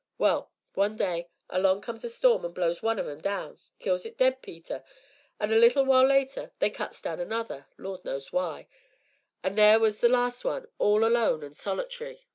Well; one day, along comes a storm and blows one on 'em down kills it dead, Peter; an' a little while later, they cuts down another Lord knows why an' theer was the last one, all alone an' solitary.